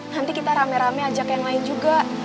nanti kita rame rame ajak yang lain juga